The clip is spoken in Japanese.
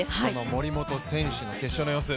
森本選手の決勝の様子。